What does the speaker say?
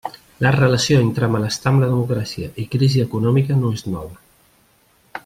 La relació entre malestar amb la democràcia i crisi econòmica no és nova.